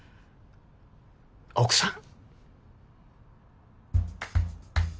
奥さん。